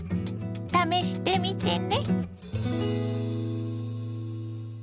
試してみてね。